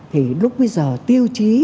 thì lúc bây giờ tiêu chí